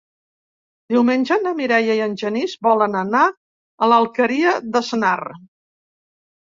Diumenge na Mireia i en Genís volen anar a l'Alqueria d'Asnar.